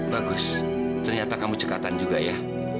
bagus ternyata kamu cekatan juga ya